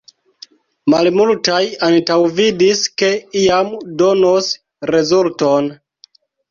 Malmultaj antaŭvidis, ke iam donos rezulton.